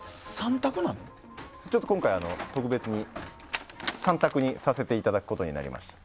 ちょっと今回、特別に３択にさせていただくことになりました。